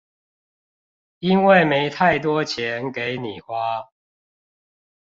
因為沒太多錢給你花